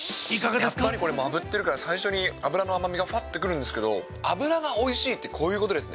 やっぱりあぶってるから最初に脂の甘みがふわってくるんですけど、脂がおいしいってこういうことですね。